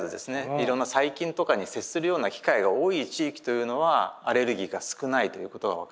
いろんな細菌とかに接するような機会が多い地域というのはアレルギーが少ないということが分かっています。